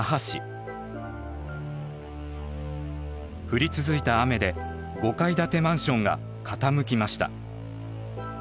降り続いた雨で５階建てマンションが傾きました。